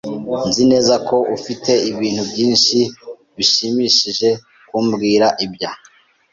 Nzi neza ko ufite ibintu byinshi bishimishije kumbwira ibya .